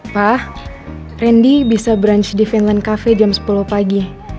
pa rendy bisa brunch di vinland cafe jam sepuluh pagi